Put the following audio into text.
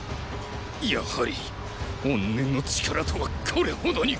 やはり怨念の力とはこれほどに。